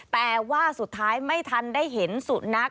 แต่ว่าสุดท้ายไม่ทันได้เห็นสุนัข